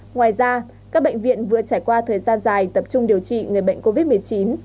ngoài ra các bệnh viện vừa trải qua thời gian dài tập trung điều trị người bệnh covid một mươi chín